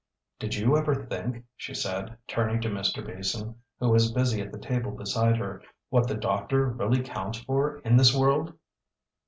"Did you ever think," she said, turning to Mr. Beason, who was busy at the table beside her, "what the doctor really counts for in this world?"